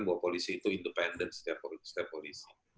bahwa polisi itu independen setiap polisi